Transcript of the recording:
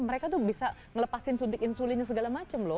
mereka tuh bisa ngelepasin sudik insulinnya segala macam loh